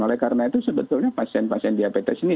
oleh karena itu sebetulnya pasien pasien diabetes ini